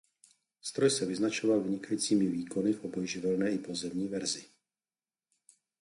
Stroj se vyznačoval vynikajícími výkony v obojživelné i pozemní verzi.